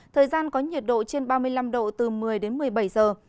thời gian có nhiệt độ trên ba mươi năm độ từ một mươi đến một mươi bảy giờ